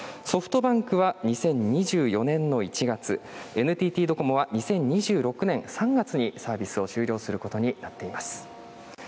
ソフトバンクは２０２４年の１月、ＮＴＴドコモは２０２６年３月にサービスを終了することになっています。